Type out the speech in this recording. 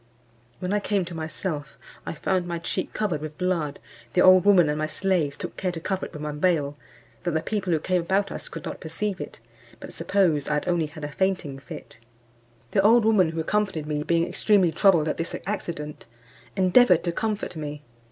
When I came to myself, I found my cheek covered with blood: the old woman and my slaves took care to cover it with my veil, that the people who came about us could not perceive it, but supposed I had only had a fainting fit. The old woman who accompanied me being extremely troubled at this accident, endeavoured to comfort me.